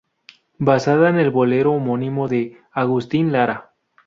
Basada en el bolero homónimo de Agustín Lara.